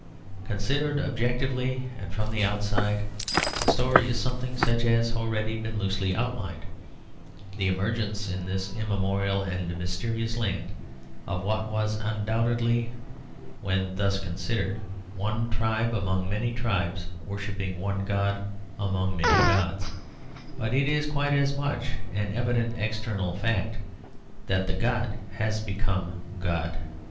Considered objectively, and from the outside, the story is something such as has already been loosely outlined; the emergence in this immemorial and mysterious land of what was undoubtedly, when thus considered, one tribe among many tribes worshipping one god among many gods, but it is quite as much an evident external fact that the god has become God.